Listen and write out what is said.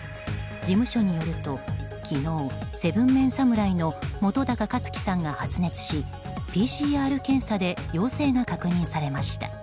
事務所によると昨日７ＭＥＮ侍の本高克樹さんが発熱し、ＰＣＲ検査で陽性が確認されました。